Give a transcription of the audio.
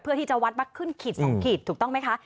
เพื่อที่จะวัดว่าขึ้นขีด๒ขีดถูกต้องไหมคะ